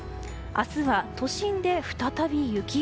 明日は都心で再び雪？